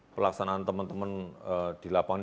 pelaksanaan teman teman di lapangan